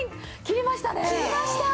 切りました！